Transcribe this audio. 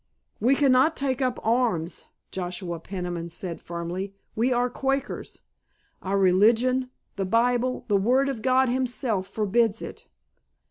"We cannot take up arms," Joshua Peniman said firmly. "We are Quakers. Our religion, the Bible, the Word of God Himself forbids it."